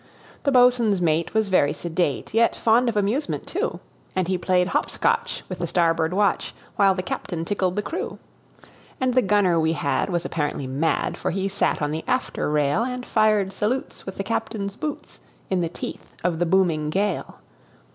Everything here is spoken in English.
The boatswain's mate was very sedate, Yet fond of amusement, too; And he played hop scotch with the starboard watch, While the captain tickled the crew. And the gunner we had was apparently mad, For he sat on the after rail, And fired salutes with the captain's boots, In the teeth of the booming gale.